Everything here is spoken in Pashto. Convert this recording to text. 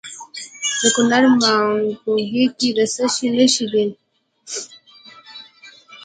د کونړ په ماڼوګي کې د څه شي نښې دي؟